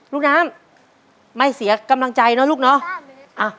ลูกน้ำไม่เสียกำลังใจเนอะลูกเนาะ